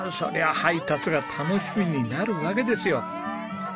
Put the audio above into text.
配達が楽しみになるわけですよ。